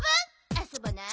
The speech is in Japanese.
あそばない？